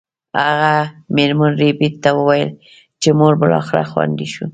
هغه میرمن ربیټ ته وویل چې موږ بالاخره خوندي شو